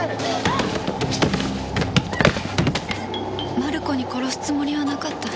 マルコに殺すつもりはなかった。